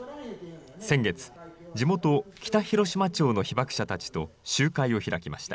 先月、地元、北広島町の被爆者たちと集会を開きました。